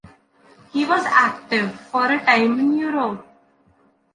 He was active for a time in Europe.